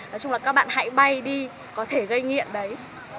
nói chung là các bạn hãy bay đi có thể gây nghiện đấy